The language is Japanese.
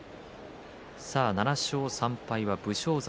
７勝３敗は武将山